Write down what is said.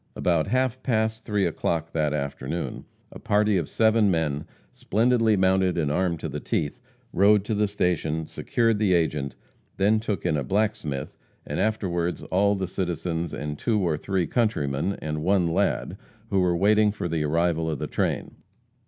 About half past three o'clock that afternoon, a party of seven men, splendidly mounted and armed to the teeth, rode to the station, secured the agent, then took in a blacksmith, and afterwards all the citizens and two or three countrymen, and one lad, who were waiting for the arrival of the train.